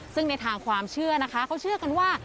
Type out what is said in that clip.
ซึ่งในทางความเชื่อนะคะเขาเชื่อกันว่า